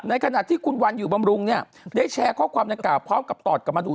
ขณะที่คุณวันอยู่บำรุงเนี่ยได้แชร์ข้อความดังกล่าวพร้อมกับตอบกลับมาดู